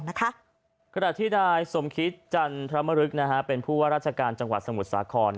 ขณะที่นายสมคิตจันทรมรึกเป็นผู้ว่าราชการจังหวัดสมุทรสาคร